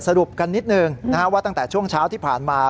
สรุปกันนิดนึงว่าตั้งแต่ช่วงเช้าที่ผ่านมา